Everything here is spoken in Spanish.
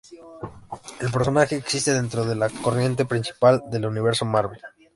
El personaje existe dentro de la corriente principal del Universo Marvel.